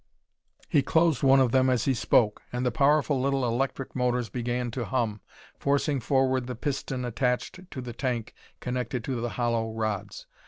He closed one of them as he spoke, and the powerful little electric motors began to hum, forcing forward the piston attached to the tank connected to the hollow rods.